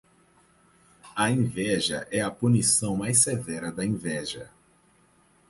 A inveja é a punição mais severa da inveja.